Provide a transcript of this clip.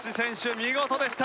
見事でした！